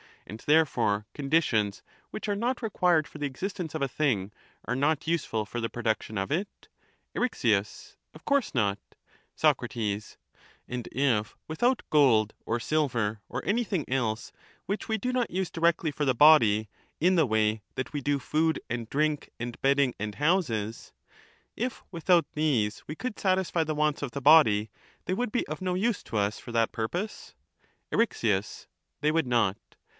And therefore conditions which are not required for the existence of a thing are not useful for the production of it? Eryx. Of course not. 402 and when ceasing to be wanted ceases to be wealth. 5 7 1 Soc. And if without gold or silver or anything else which Eryxias. we do not use directly for the body in the way that we do Socrates, food and drink and bedding and houses, — if without these we Eryxias could satisfy the wants of the body, they would be of no use to us for that purpose? Eryx. They would not.